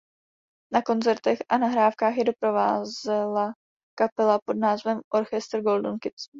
Na koncertech a nahrávkách je doprovázela kapela pod názvem Orchestr Golden Kids.